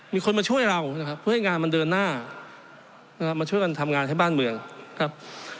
มีคนมาช่วยเราเพื่อให้งานมันเดินหน้ามาช่วยกันทำงานให้บ้านเมืองนะครับ